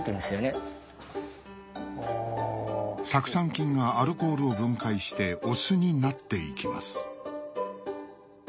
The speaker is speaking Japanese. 酢酸菌がアルコールを分解してお酢になっていきます